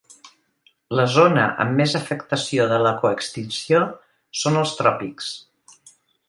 La zona amb més afectació de la coextinció són els tròpics.